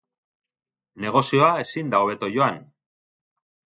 Negozioa ezin da hobeto joan!